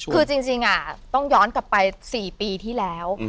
คือจริงต้องย้อนกลับไป๔ปีที่แล้ว